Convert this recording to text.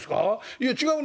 「いや違うねん。